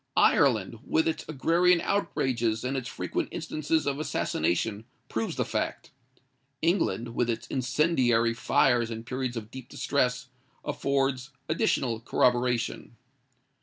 Ireland, with its agrarian outrages and its frequent instances of assassination, proves the fact. England, with its incendiary fires in periods of deep distress, affords additional corroboration.